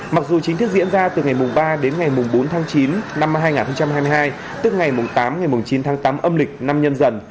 mặc dù chính thức diễn ra từ ngày ba đến ngày bốn tháng chín năm hai nghìn hai mươi hai tức ngày tám ngày chín tháng tám âm lịch năm nhân dần